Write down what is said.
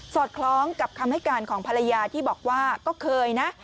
อดคล้องกับคำให้การของภรรยาที่บอกว่าก็เคยนะ